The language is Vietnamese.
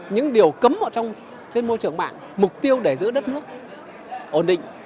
những điều cấm ở trong môi trường mạng mục tiêu để giữ đất nước ổn định